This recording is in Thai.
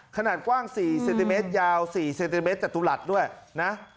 ขนาดกว้าง๔เซนติเมตรยาว๔เซนติเมตรจตุรัสด้วยนะ